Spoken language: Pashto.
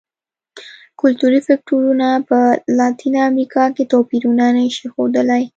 کلتوري فکټورونه په لاتینه امریکا کې توپیرونه نه شي ښودلی.